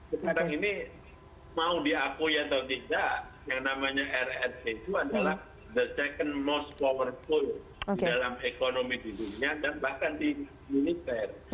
sekarang ini mau diakui atau tidak yang namanya rrt itu adalah the second most powerful di dalam ekonomi di dunia dan bahkan di militer